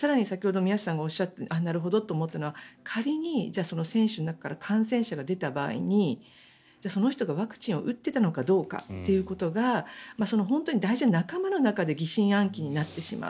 更に先ほど宮下さんがおっしゃっていてなるほどと思ったのが仮に選手の中から感染者が出た場合にその人がワクチンを打っていたのかどうかが本当に大事な仲間の中で疑心暗鬼になってしまう。